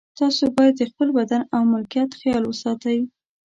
تاسو باید د خپل بدن او ملکیت خیال وساتئ.